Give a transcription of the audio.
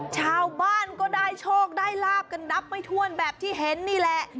ชาวบ้านก็ได้โชคได้ลาบกันนับไม่ถ้วนแบบที่เห็นนี่แหละ